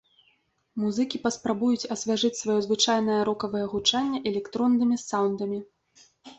Музыкі паспрабуюць асвяжыць сваё звычайнае рокавае гучанне электроннымі саўндамі.